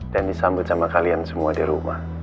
dan disambut sama kalian semua di rumah